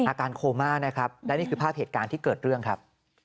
อาการโคม่านะครับและนี่คือภาพเหตุการณ์ที่เกิดเรื่องครับ